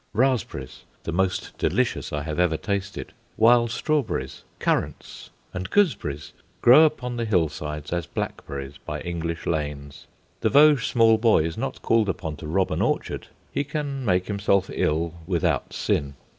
Raspberries, the most delicious I have ever tasted, wild strawberries, currants, and gooseberries, grow upon the hill sides as black berries by English lanes. The Vosges small boy is not called upon to rob an orchard; he can make himself ill without sin.